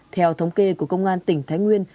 theo thống kê của công an tỉnh thái nguyên